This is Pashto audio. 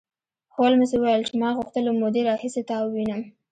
هولمز وویل چې ما غوښتل له مودې راهیسې تا ووینم